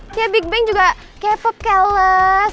ih ya big bang juga k pop keles